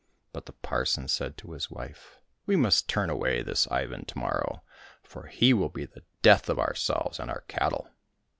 But the parson said to his wife, " We must turn away this Ivan to morrow, for he will be the death of ourselves and our cattle